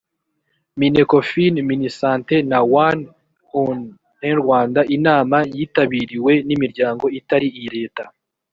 minecofin minisante na one un rwanda inama yitabiriwe n imiryango itari iya leta